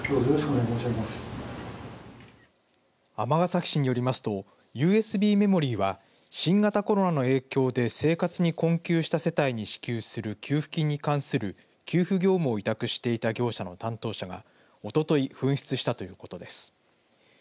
尼崎市によりますとＵＳＢメモリーは新型コロナの影響で生活に困窮した世帯に支給する給付金に関する給付業務を委託していた業者の担当者がおととい紛失したということです。